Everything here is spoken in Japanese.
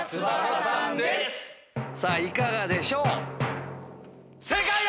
さぁいかがでしょう？